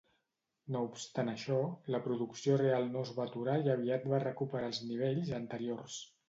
No obstant això, la producció real no es va aturar i aviat va recuperar els nivells anteriors.